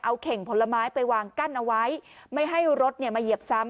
เอาเข่งผลไม้ไปวางกั้นเอาไว้ไม่ให้รถเนี่ยมาเหยียบซ้ำ